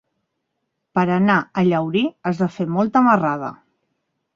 Per anar a Llaurí has de fer molta marrada.